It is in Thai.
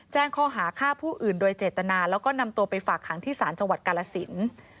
แจ้งข้อหาฆ่าผู้อื่นโดยเจตนาแล้วก็นำตัวไปฝากขังที่ศาลจังหวัดกาลสิน